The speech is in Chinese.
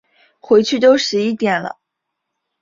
回去都十一点了